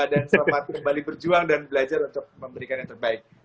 dan selamat kembali berjuang dan belajar untuk memberikan yang terbaik